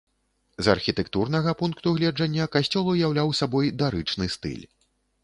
З архітэктурнага пункту гледжання касцёл уяўляў сабой дарычны стыль.